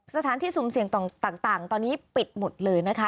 สถานที่สุ่มเสี่ยงต่างตอนนี้ปิดหมดเลยนะคะ